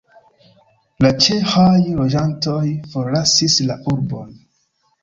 La ĉeĥaj loĝantoj forlasis la urbon.